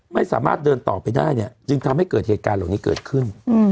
ไม่สามารถเดินต่อไปได้เนี่ยจึงทำให้เกิดเหตุการณ์เหล่านี้เกิดขึ้น